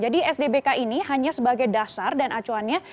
sdbk ini hanya sebagai dasar dan acuannya